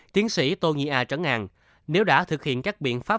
tiến sĩ tô nhi a trấn ngàn nếu đã thực hiện các biện pháp